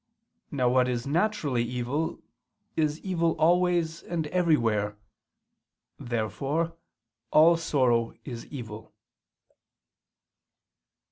Now what is naturally evil, is evil always and everywhere. Therefore, all sorrow is evil.